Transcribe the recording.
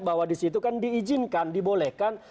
bahwa di situ kan diizinkan dibolehkan